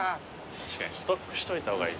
確かにストックしといた方がいい。